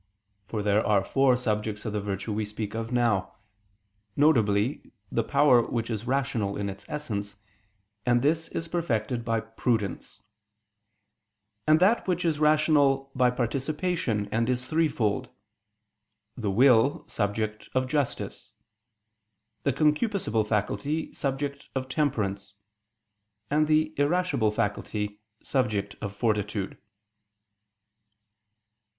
For there are four subjects of the virtue we speak of now: viz. the power which is rational in its essence, and this is perfected by "Prudence"; and that which is rational by participation, and is threefold, the will, subject of "Justice," the concupiscible faculty, subject of "Temperance," and the irascible faculty, subject of "Fortitude."